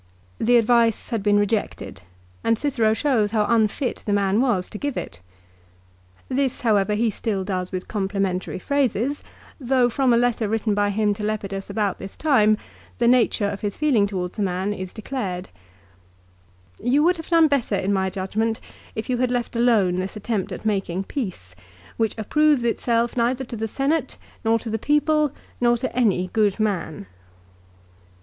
The advice had been rejected, and Cicero shows how unfit the man was to THE PHILIPPICS. 267 give it. This, however, he still does with complimentary phrases, though from a letter written by him to Lepidus about this time the nature of his feeling towards the man is declared. " You would have done better in my judgment if you had left alone this attempt at making peace, which approves itself neither to the Senate, nor to the people, nor to any good man."